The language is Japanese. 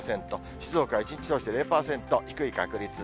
静岡は一日通して０％、低い確率。